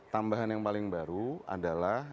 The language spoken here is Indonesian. tambahan yang paling baru adalah